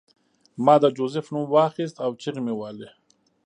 ما د جوزف نوم واخیست او چیغې مې وهلې